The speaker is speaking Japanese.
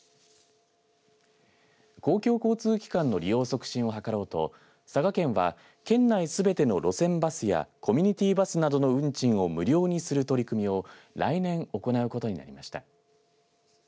公共交通機関の利用促進を図ろうと佐賀県は県内すべての路線バスやコミュニティーバスなどの運賃を無料にする取り組みを来年行うことになりました。